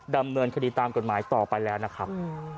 ดำเนินคดีตามกฎหมายต่อไปแล้วนะครับ